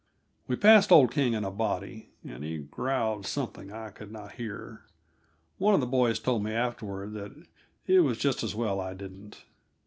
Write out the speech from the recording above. We passed old King in a body, and he growled something I could not hear; one of the boys told me, afterward, that it was just as well I didn't.